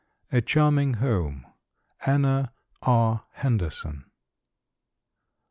A CHARMING HOME. ANNA R. HENDERSON.